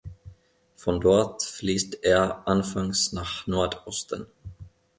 Von dort fließt er anfangs nach Nordosten.